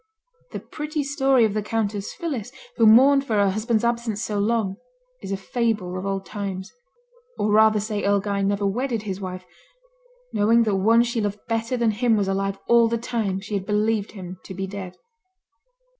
The pretty story of the Countess Phillis, who mourned for her husband's absence so long, is a fable of old times; or rather say Earl Guy never wedded his wife, knowing that one she loved better than him was alive all the time she had believed him to be dead.